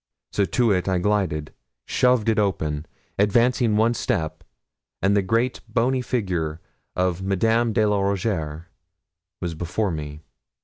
So to it I glided, shoved it open, advancing one step, and the great bony figure of Madame de la Rougierre was before me.